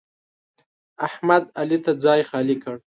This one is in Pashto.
احمد؛ علي ته ځای خالي کړ.